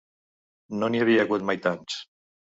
No n’hi havia hagut mai tants.